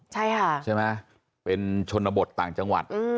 ใช่ค่ะใช่ไหมเป็นชนบทต่างจังหวัด